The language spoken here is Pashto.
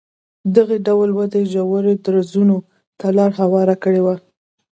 دغې ډول ودې ژورو درزونو ته لار هواره کړې وای.